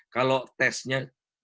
kalau tesnya dua puluh